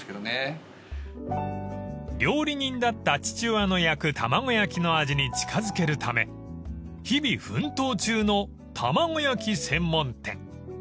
［料理人だった父親の焼くたまご焼きの味に近づけるため日々奮闘中のたまご焼き専門店］